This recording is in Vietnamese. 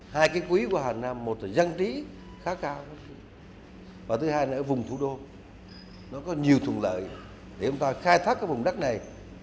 hai cái quý của hà nam một là dân trí khá cao và thứ hai là ở vùng thủ đô nó có nhiều thuận lợi để chúng ta khai thác cái vùng đất này